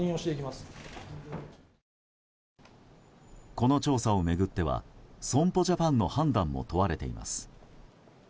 この調査を巡っては損保ジャパンの判断も問われています。